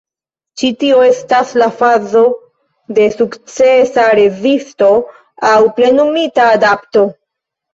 Ĉi tio estas la fazo de sukcesa rezisto aŭ „plenumita adapto.